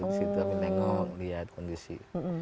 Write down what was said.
disitu nengok lihat kondisi